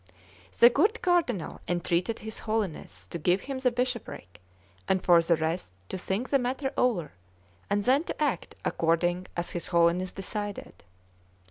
The good Cardinal entreated his Holiness to give him the bishopric, and for the rest to think the matter over, and then to act according as his Holiness decided.